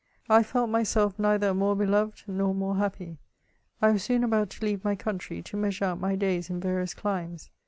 I felt myself neither more beloved nor more happy. I was soon about to leave my country, to measure out my days in various climes.